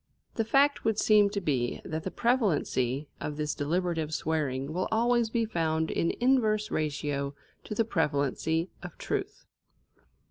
The fact would seem to be that the prevalency of this deliberative swearing will always be found in inverse ratio to the prevalency of truth.